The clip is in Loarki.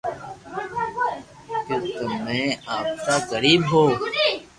ڪي تمي ايتا غريب ھون